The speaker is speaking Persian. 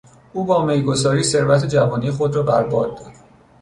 او با میگساری ثروت و جوانی خود را بر باد داد.